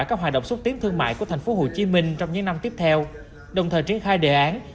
các hoạt động xúc tiến thương mại của tp hcm trong những năm tiếp theo đồng thời triển khai đề án